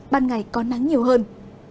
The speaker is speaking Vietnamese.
ban ngày có nắng nhiều hơn